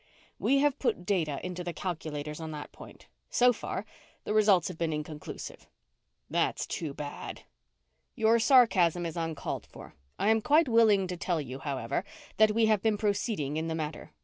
"We have put data into the calculators on that point. So far, the results have been inconclusive." "That's too bad." "Your sarcasm is uncalled for. I am quite willing to tell you, however, that we have been proceeding in the matter.